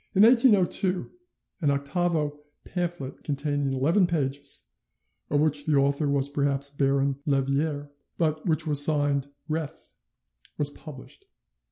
In 1802 an octavo pamphlet containing 11 pages, of which the author was perhaps Baron Lerviere, but which was signed Reth, was published.